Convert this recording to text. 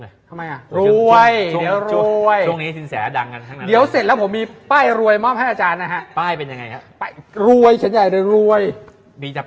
เล็กเล็กเล็กเล็กเล็กเล็กเล็กเล็กเล็กเล็กเล็กเล็ก